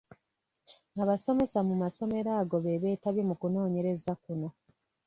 Abasomesa mu masomero ago be beetabye mu kunoonyereza kuno.